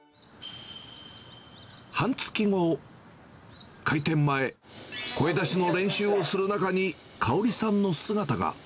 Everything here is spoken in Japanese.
半月後、開店前、声出しの練習をする中に、香里さんの姿が。